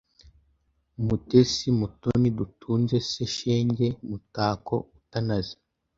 Mutesi Mutoni dutunze se shenge mutako utanaze